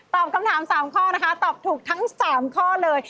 คำถาม๓ข้อนะคะตอบถูกทั้ง๓ข้อเลย